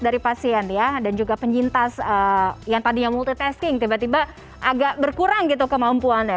dari pasien ya dan juga penyintas yang tadinya multitasking tiba tiba agak berkurang gitu kemampuannya